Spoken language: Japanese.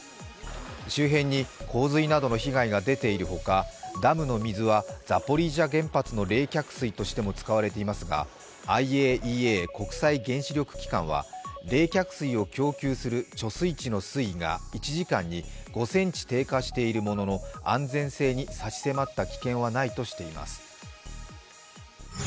周辺に洪水などの被害が出ているほか、ダムの水はザポリージャ原発の冷却水としても使われていますが、ＩＡＥＡ＝国際原子力機関は冷却水を供給する貯水池の水位が１時間に５ｃｍ低下しているものの安全性に差し迫った危険はないとしています。